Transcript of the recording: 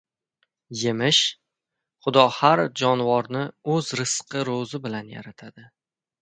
— Yemish? Xudo har jonivorni o‘z rizqi ro‘zi bilan yaratadi.